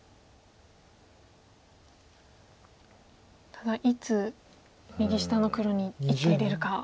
ただいつ右下の黒に１手入れるか。